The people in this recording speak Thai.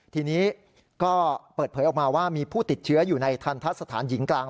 ทีนี้ก็เปิดเผยออกมาว่ามีผู้ติดเชื้ออยู่ในทันทะสถานหญิงกลาง